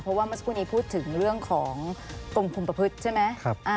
เพราะว่าเมื่อสักครู่นี้พูดถึงเรื่องของกรมคุมประพฤติใช่ไหม